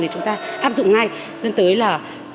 thì chúng ta áp dụng ngay nên tới là